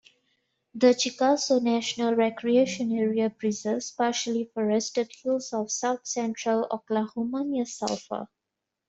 The Chickasaw National Recreation Area preserves partially forested hills of south-central Oklahoma near Sulphur.